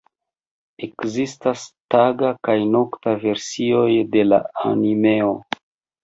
Ekzistas taga kaj nokta versioj de la animeo.